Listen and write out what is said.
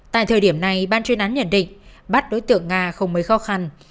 tại thời điểm này ban chuyên án nhận định bắt đối tượng nga không mấy khó khăn